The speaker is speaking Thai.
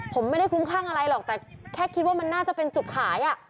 ผมไม่ได้คลุ้มคลั่งอะไรหรอกแต่แค่คิดว่ามันน่าจะเป็นจุดขายอ่ะ